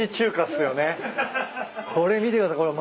これ見てください。